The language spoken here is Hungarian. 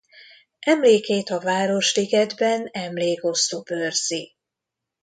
Emlékét a Városligetben emlékoszlop őrzi.